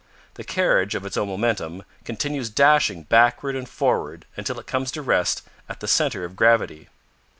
The carriage of its own momentum continues dashing backward and forward until it comes to rest at the center of gravity.